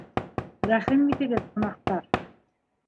- Рәхим итегеҙ, ҡунаҡтар!